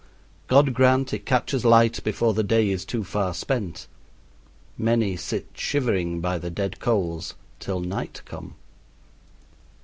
God grant it catches light before the day is too far spent. Many sit shivering by the dead coals till night come.